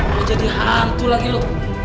aduh jadi hantu lagi lu